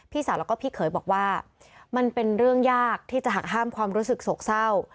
สาวแล้วก็พี่เขยบอกว่ามันเป็นเรื่องยากที่จะหักห้ามความรู้สึกโศกเศร้า